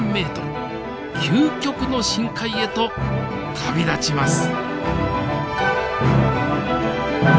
ｍ究極の深海へと旅立ちます。